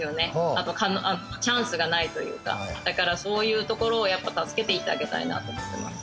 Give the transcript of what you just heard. あとチャンスがないというかだからそういうところをやっぱ助けていってあげたいなと思ってます